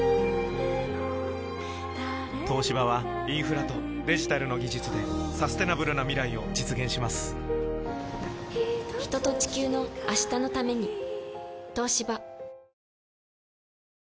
東芝はインフラとデジタルの技術でサステナブルな未来を実現します人と、地球の、明日のために。